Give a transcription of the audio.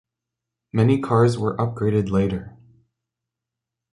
Many cars were upgraded later.